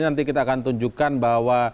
nanti kita akan tunjukkan bahwa